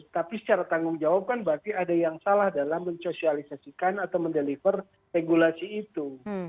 tapi secara tanggung jawab kan berarti ada yang salah dalam mensosialisasikan atau mendeliver regulasi itu